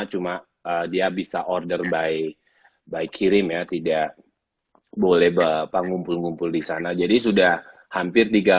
cuma dia bisa order by by kirim ya tidak boleh bapak ngumpul ngumpul di sana jadi sudah hampir